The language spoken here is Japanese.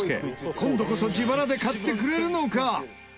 今度こそ自腹で買ってくれるのか？